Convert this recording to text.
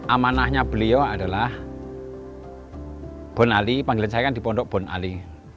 amanahnya beliau adalah bonali panggilan saya kan di pondok bon ali